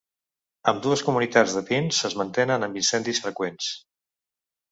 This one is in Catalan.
Ambdues comunitats de pins es mantenen amb incendis freqüents.